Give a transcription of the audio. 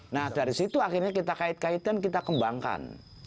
nah dari situ akhirnya kita kait kaitan kita kembangkan